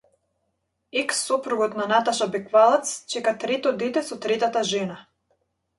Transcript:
Екс сопругот на Наташа Беквалац чека трето дете со третата жена